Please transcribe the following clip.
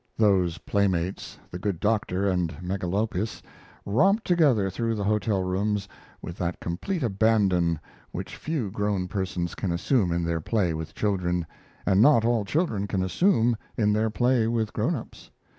Those playmates, the good doctor and Megalopis, romped together through the hotel rooms with that complete abandon which few grown persons can assume in their play with children, and not all children can assume in their play with grown ups.